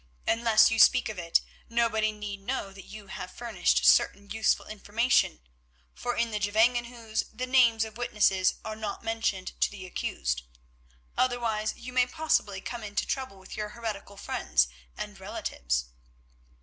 Unless you speak of it, nobody need ever know that you have furnished certain useful information, for in the Gevangenhuis the names of witnesses are not mentioned to the accused. Otherwise you may possibly come into trouble with your heretical friends and relatives.